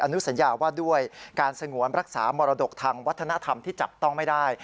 อนุสัญญาว่าด้วยการสงวนรักษามรดกทางวัฒนธรรมที่จับต้องไม่ได้